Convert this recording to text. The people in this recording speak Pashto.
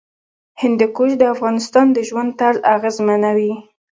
هندوکش د افغانانو د ژوند طرز اغېزمنوي.